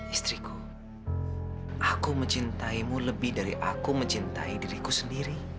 istriku aku mencintaimu lebih dari aku mencintai diriku sendiri